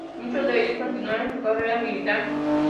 Muchos de ellos continuaron su carrera militar.